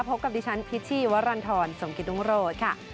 พบกับดิฉันพิษที่วารันทรสมกิตรุงโรดค่ะ